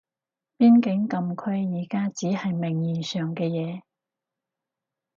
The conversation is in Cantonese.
邊境禁區而家只係名義上嘅嘢